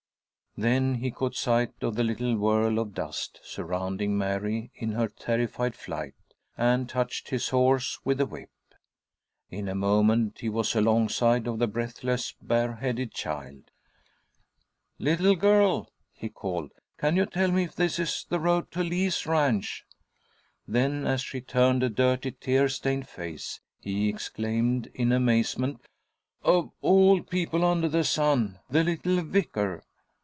Then he caught sight of the little whirl of dust surrounding Mary in her terrified flight, and touched his horse with the whip. In a moment he was alongside of the breathless, bareheaded child. "Little girl," he called, "can you tell me if this is the road to Lee's ranch?" Then, as she turned a dirty, tear stained face, he exclaimed, in amazement, "Of all people under the sun! The little vicar!